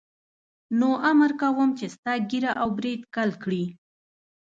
نو امر کوم چې ستا ږیره او برېت کل کړي.